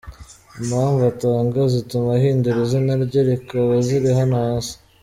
Impamvu atanga zituma ahindura izina rye zikaba ziri hano hasi:.